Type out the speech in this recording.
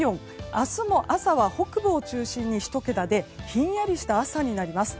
明日も朝は北部を中心に１桁でひんやりとした朝になります。